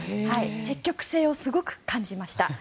積極性をすごく感じました。